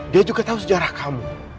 dia juga tahu sejarah kamu